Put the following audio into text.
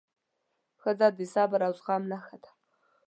ښځه د صبر او زغم نښه ده.